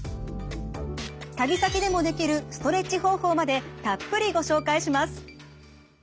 旅先でもできるストレッチ方法までたっぷりご紹介します。